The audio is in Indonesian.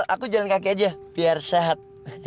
aku jalan kaki aja biar sehat